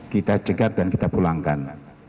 kita cegat dan kita pulangkan